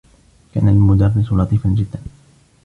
كان المدرّس لطيفا جدّا.